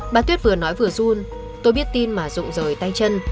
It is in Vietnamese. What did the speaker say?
bà tuyết vừa nói vừa run tôi biết tin mà rụng rời tay chân